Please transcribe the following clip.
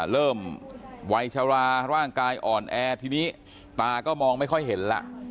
วัยชราร่างกายอ่อนแอทีนี้ตาก็มองไม่ค่อยเห็นแล้ว